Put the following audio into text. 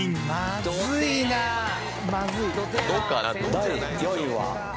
第４位は。